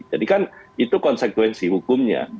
jadi kan itu konsekuensi hukumnya